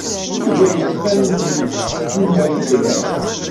Yella yettban-d yumer mliḥ.